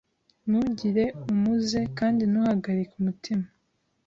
ntugire umuze kandi ntuhagarike umutima.